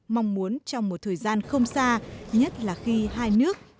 mong muốn trong một thời gian không xa nhất là khi hai nước